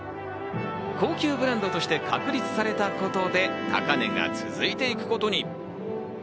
高級ブランドとして確立されたことで高値が続いていくことに。